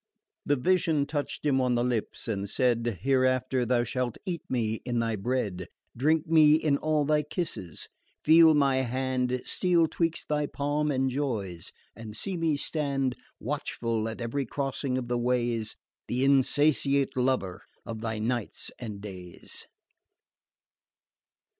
The Vision touched him on the lips and said: Hereafter thou shalt eat me in thy bread, Drink me in all thy kisses, feel my hand Steal 'twixt thy palm and Joy's, and see me stand Watchful at every crossing of the ways, The insatiate lover of thy nights and days.